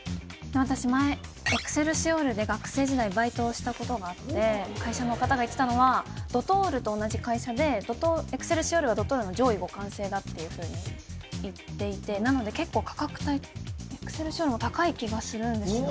私前エクセルシオールで学生時代バイトをしたことがあって会社の方が言ってたのはドトールと同じ会社でエクセルシオールはドトールの上位互換性だっていうふうに言っていてなので結構価格帯エクセルシオールの方が高い気がするんですよね